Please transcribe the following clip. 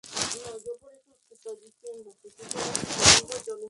Se encuentra en el Japón, Nueva Caledonia, Tonga y Hawai.